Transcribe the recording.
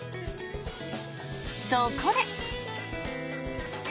そこで。